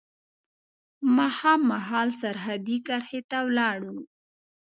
ماښام مهال سرحدي کرښې ته ولاړو.